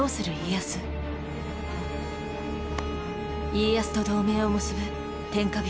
家康と同盟を結ぶ天下人